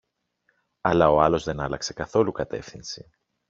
Αλλά ο άλλος δεν άλλαξε καθόλου κατεύθυνση